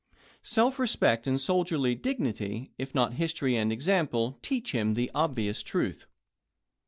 Self respect and soldierly dignity, if not history and example, teach him the obvious truth.